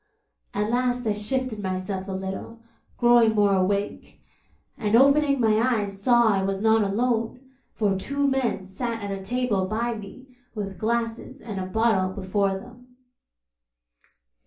At last I shifted myself a little, growing more awake; and opening my eyes saw I was not alone, for two men sat at a table by me with glasses and a bottle before them.